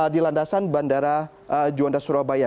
di landasan bandara juanda surabaya